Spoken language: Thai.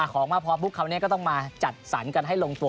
ของไม่พอพวกเขาจะต้องมาจัดสรรค์กันให้ร่งตัว